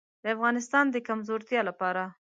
د افغانستان د کمزورتیا لپاره.